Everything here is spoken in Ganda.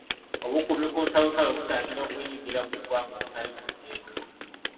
Obukuumi ku nsalosalo butangira okuyingira mu ggwanga okutali mu mateeka.